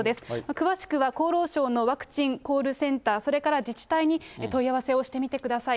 詳しくは厚労省のワクチンコールセンター、それから自治体に問い合わせをしてみてください。